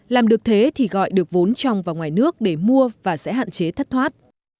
làm được thế thì gọi được vốn trong và ngoài nước để mua và sẽ hạn chế thất thoát